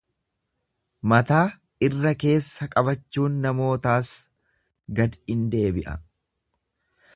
Mataa irra-keessa qabachuun namootaas gad in deebi'a.